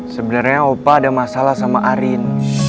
sebenarnya opa ada masalah sama arin